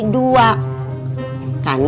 kamu yang harus minum